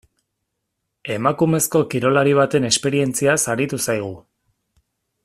Emakumezko kirolari baten esperientziaz aritu zaigu.